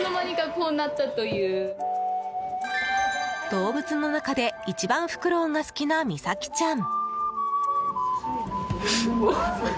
動物の中で一番フクロウが好きなミサキちゃん。